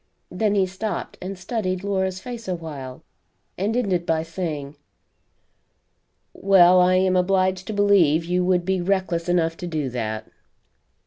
Then he stopped and studied Laura's face a while, and ended by saying: "Well, I am obliged to believe you would be reckless enough to do that."